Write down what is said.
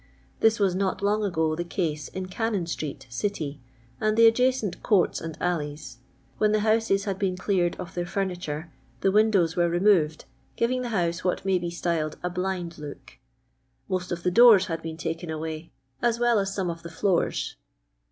*' This was not long ago the cise in Gannon street, City, and the adjacent courts and alleys ; when the houses had been cleared of their furniture, the windows were removed (giving the house what may be styled a " blind" look); most of the doora bad been taken away, as well as aome of the floors.